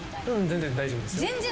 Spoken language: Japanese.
全然大丈夫なんですか？